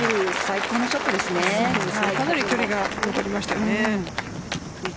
かなり距離が残りました。